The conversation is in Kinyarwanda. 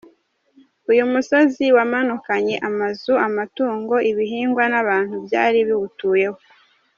Uyu musozi wamanukanye amazu, amatungo, ibihingwa n’abantu byari biwutuyeho.